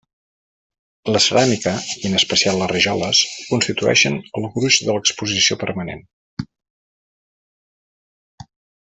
La ceràmica, i en especial les rajoles, constitueixen el gruix de l'exposició permanent.